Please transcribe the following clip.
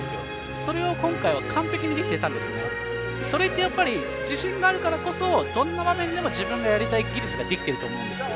それを今回は完璧にできていたんですがそれって、やっぱり自信があるからこそどんな場面でも自分がやりたい技術ができていると思うんです。